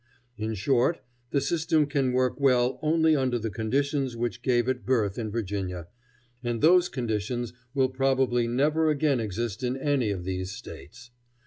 In short, the system can work well only under the conditions which gave it birth in Virginia, and those conditions will probably never again exist in any of these States.